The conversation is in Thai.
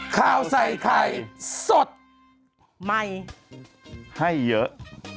ข่าวใส่ไข่สดใหม่ให้เยอะ